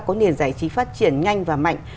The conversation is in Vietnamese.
có nền giải trí phát triển nhanh và mạnh